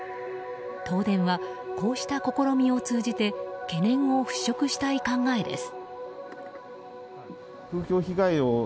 東電はこうした試みを通じて懸念を払拭したい考えです。